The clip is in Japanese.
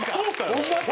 ホンマか？